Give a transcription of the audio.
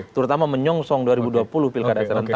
terutama menyongsong dua ribu dua puluh pilkada serentak